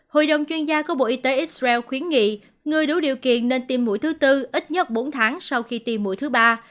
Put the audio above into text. hội đồng chuyên gia của bộ y tế israel khuyến nghị người đủ điều kiện nên tiêm mũi thứ tư ít nhất bốn tháng sau khi tiêm mũi thứ ba